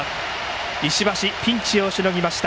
石橋、ピンチをしのぎました。